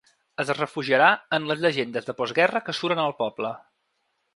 Es refugiarà en les llegendes de postguerra que suren al poble.